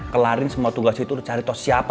kelarin semua tugas itu cari tau siapa